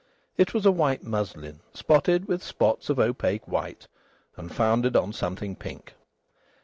It was a white muslin, spotted with spots of opaque white, and founded on something pink.